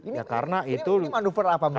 ini manuver apa mereka